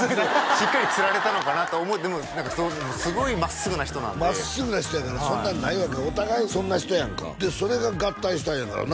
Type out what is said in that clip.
しっかり釣られたのかなとでもすごい真っすぐな人なんで真っすぐな人やからそんなんないわけお互いそんな人やんかでそれが合体したんやからな